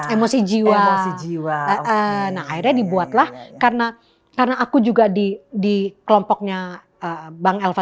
emosi jiwa si jiwa nah akhirnya dibuatlah karena aku juga di kelompoknya bang elva